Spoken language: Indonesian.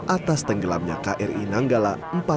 atas tenggelamnya kri nanggala empat ratus dua